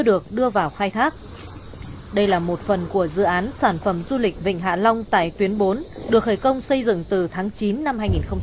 được khởi công xây dựng từ tháng chín năm hai nghìn một mươi sáu